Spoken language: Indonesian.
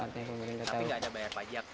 tapi nggak ada bayar pajak